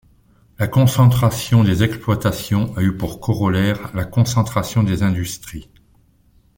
La concentration des exploitations a eu pour corollaire la concentration des industries.